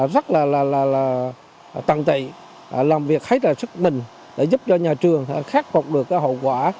rất là tận tị làm việc hết sức mình để giúp cho nhà trường khắc phục được hậu quả